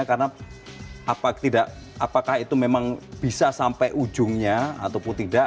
karena apakah itu memang bisa sampai ujungnya ataupun tidak